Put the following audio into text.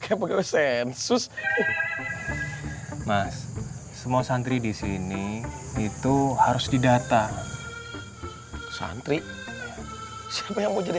kepo kepo keper sensus mas semua santri disini itu harus didata santri siapa yang mau jadi